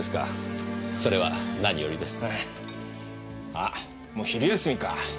あもう昼休みか。